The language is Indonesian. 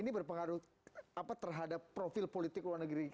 ini berpengaruh apa terhadap profil politik luar negeri kita gak